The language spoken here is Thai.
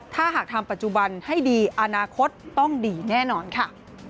ถ้าหากทำปัจจุบันให้ดีอนาคตต้องดีแน่นอนค่ะ